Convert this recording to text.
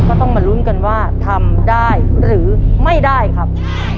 ก็ต้องมาลุ้นกันว่าทำได้หรือไม่ได้ครับ